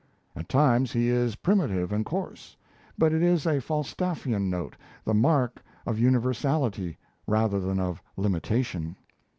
At times he is primitive and coarse; but it is a Falstaffian note, the mark of universality rather than of limitation.